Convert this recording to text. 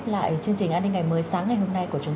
những hình ảnh đầy xúc động về lực lượng